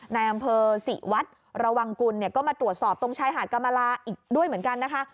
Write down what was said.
ในอำเภอศรีวัดระวังกุลเนี่ยก็มาตรวจสอบตรงชายหาดกรรมลาอีกด้วยเหมือนกันนะคะ